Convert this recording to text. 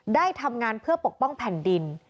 ได้ทำงานเพื่อปกป้องแผ่นดิน